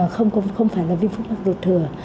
không phải là viêm phúc mặt ruột thừa